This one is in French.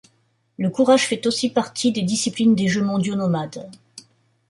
Le kourach fait aussi partie des disciplines des Jeux mondiaux nomades.